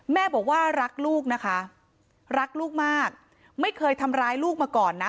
แม่บอกว่ารักลูกนะคะรักลูกมากไม่เคยทำร้ายลูกมาก่อนนะ